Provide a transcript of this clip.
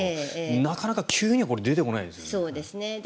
なかなか急には出てこないですよね。